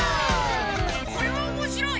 これはおもしろい！